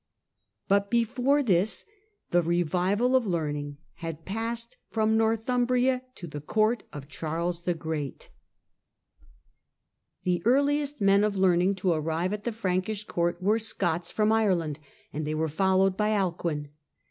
. But before this the revival of learning had passed from Northumbria to the Court of Charles the Great. ALCUIN AND THE REVIVAL OF LEARNING 193 The earliest men of learning to arrive at the Frankish Court were " Scots " from Ireland, and they were followed by Alcuin.